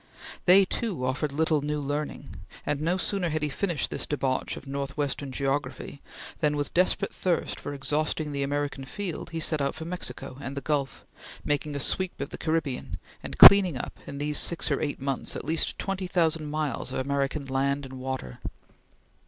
They, too, offered little new learning, and no sooner had he finished this debauch of Northwestern geography than with desperate thirst for exhausting the American field, he set out for Mexico and the Gulf, making a sweep of the Caribbean and clearing up, in these six or eight months, at least twenty thousand miles of American land and water.